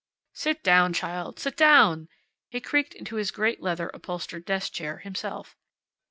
"Sit down, child, sit down!" He creaked into his great leather upholstered desk chair, himself.